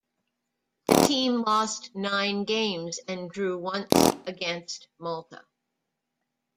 The team lost nine games and drew once against Malta.